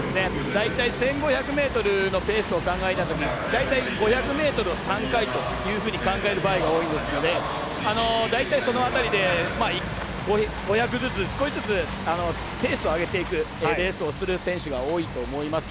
大体１５００ｍのペースを考えたとき５００ｍを３回というふうに考える場合が多いので大体、その辺りで５００ずつ、少しずつペースを上げていくレースをする選手が多いと思います。